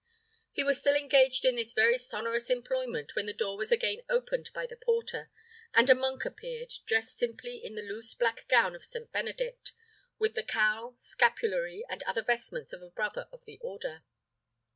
He was still engaged in this very sonorous employment, when the door was again opened by the porter, and a monk appeared, dressed simply in the loose black gown of St. Benedict, with the cowl, scapulary, and other vestments of a brother of the order.